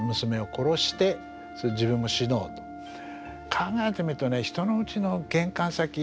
考えてみるとね人のうちの玄関先行ってね